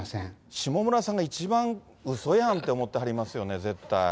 下村さんが一番、うそやんって思ってはりますよね、絶対。